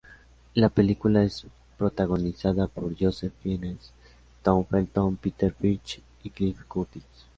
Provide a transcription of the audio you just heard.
La película es protagonizada por Joseph Fiennes, Tom Felton, Peter Firth, y Cliff Curtis.